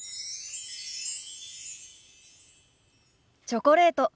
チョコレート。